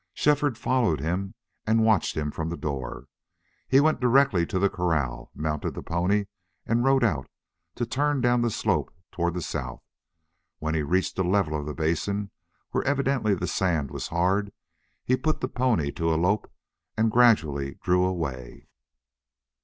Shefford followed him and watched him from the door. He went directly to the corral, mounted the pony, and rode out, to turn down the slope toward the south. When he reached the level of the basin, where evidently the sand was hard, he put the pony to a lope and gradually drew away.